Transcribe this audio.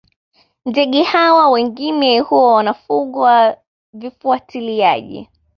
Ndege hawa wengine huwa wanafungwa vifuatiliaji